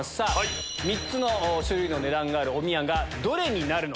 ３つの種類の値段があるおみやがどれになるのか。